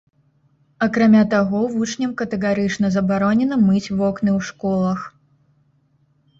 Акрамя таго, вучням катэгарычна забаронена мыць вокны ў школах.